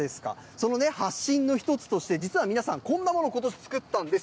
その発信の１つとして、実は皆さん、こんなものをことし作ったんです。